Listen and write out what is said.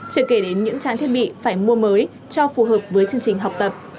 chưa kể đến những trang thiết bị phải mua mới cho phù hợp với chương trình học tập